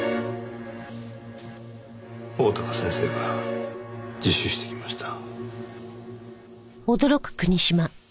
大鷹先生が自首してきました。